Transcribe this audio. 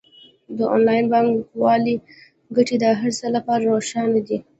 د انلاین بانکوالۍ ګټې د هر چا لپاره روښانه دي.